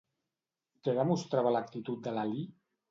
Què demostrava l'actitud de Lalí?